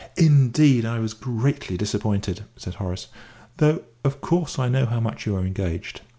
"Indeed, I was greatly disappointed," said Horace, "though of course I know how much you are engaged.